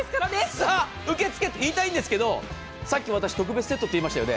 さぁ、受け付けと言いたいんですけど、さっき特別セットと言いましたよね。